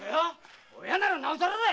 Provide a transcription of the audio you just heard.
親ならなおさらだ！